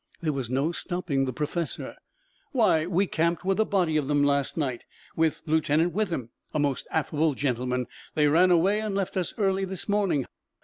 There was no stopping the professor. "Why, we camped with a body of them last night. With Lieutenant Withem, a most affable gentleman. They ran away and left us early this morning.